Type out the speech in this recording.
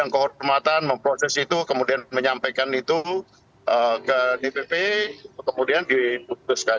kehormatan memproses itu kemudian menyampaikan itu ke dpp kemudian diputuskan